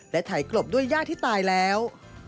และถ่ายกลบด้วยย่าที่ตายแล้ว